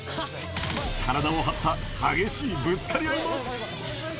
体を張った激しいぶつかり合いも。